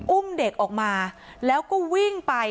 อุ้มเด็กออกมาแล้วก็วิ่งไป